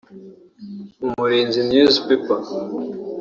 Umurinzi newspaper